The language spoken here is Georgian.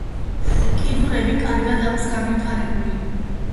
კიდურები კარგად აქვს განვითარებული.